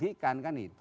dirugikan kan itu